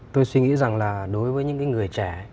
tôi suy nghĩ rằng là đối với những cái người trẻ